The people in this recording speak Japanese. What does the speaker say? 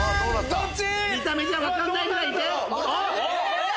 どっち？